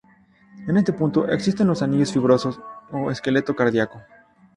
En este punto existen los anillos fibrosos o esqueleto cardíaco.